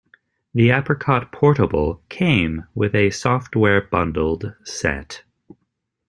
The Apricot Portable came with a software bundled set.